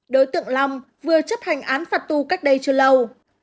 đối tượng long vừa chấp hành án phạt tù cách đây chưa lâu